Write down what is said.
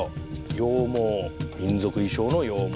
羊毛民族衣装の羊毛。